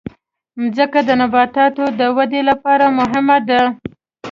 مځکه د نباتاتو د ودې لپاره مهمه ده.